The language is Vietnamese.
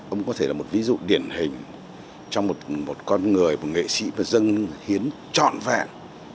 ông có thể là một ví dụ điển hình cho một con người một nghệ sĩ và dân hiến trọn vẹn